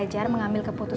jangan lupa bu